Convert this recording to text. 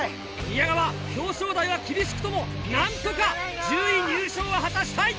宮川表彰台は厳しくともなんとか１０位入賞は果たしたい。